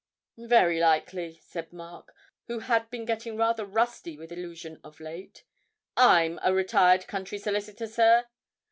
'Very likely,' said Mark, who had been getting rather rusty with 'Illusion' of late. 'I'm a retired country solicitor, sir!